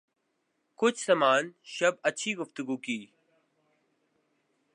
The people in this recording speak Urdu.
کچھ سامان شب اچھی گفتگو کی